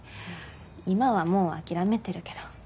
今はもう諦めてるけど。